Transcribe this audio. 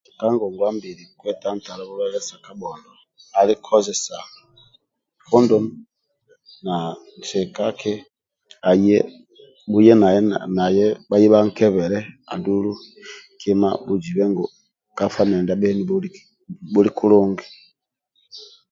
Ka ngongwa mbili kwetantala bulwaye sa kabhondo ali kozesa kondomu na sikaki aye bhuye naye haye bhankebele andulu kima bhuzibe ngu bhuli kulungi